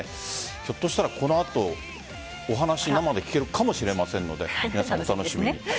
ひょっとしたらこの後お話、生で聞けるかもしれませんので皆さん、お楽しみに。